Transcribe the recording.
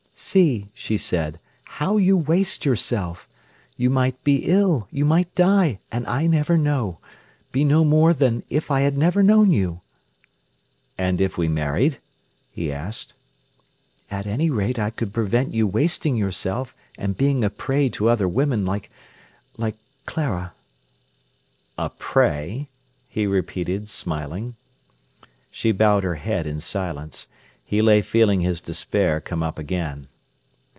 "See," she said, "how you waste yourself! You might be ill, you might die, and I never know—be no more then than if I had never known you." "And if we married?" he asked. "At any rate, I could prevent you wasting yourself and being a prey to other women—like—like Clara." "A prey?" he repeated, smiling. She bowed her head in silence. He lay feeling his despair come up again.